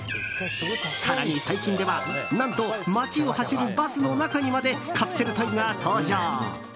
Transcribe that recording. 更に最近では何と、街を走るバスの中にまでカプセルトイが登場。